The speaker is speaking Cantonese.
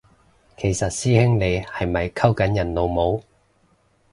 其實師兄你係咪溝緊人老母？